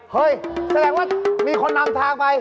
แสดงว่ามีคนนำทางไป